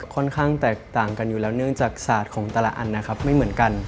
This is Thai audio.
ค่อนข้างแตกต่างกันอยู่แล้วเนื่องจากศาสตร์ของแต่ละอันนะครับไม่เหมือนกัน